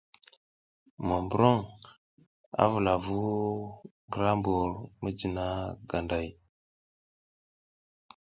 Monburoŋ, a vula vu ngra mbur mijina ganday.